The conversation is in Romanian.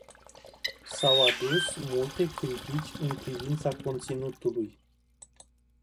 S-au adus multe critici în privința conținutului.